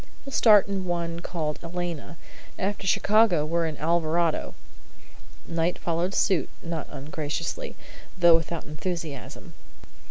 "We start in one called 'Elena.' After Chicago we're in 'Alvarado.'" Knight followed suit, not ungraciously, though without enthusiasm.